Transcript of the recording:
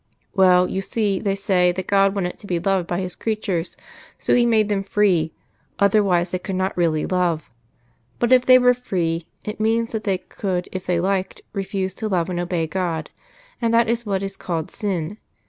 "Well, you see, they say that God wanted to be loved by His creatures, so He made them free; otherwise they could not really love. But if they were free, it means that they could if they liked refuse to love and obey God; and that is what is called Sin.